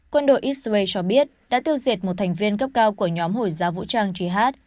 quân đội israel cho biết đã tiêu diệt một thành viên cấp cao của nhóm hồi giáo vũ trang jihad